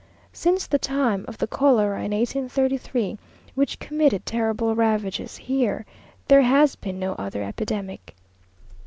Since the time of the cholera in 1833, which committed terrible ravages here, there has been no other epidemic.